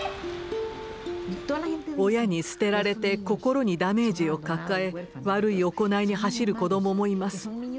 親に捨てられて心にダメージを抱え悪い行いに走る子どももいます。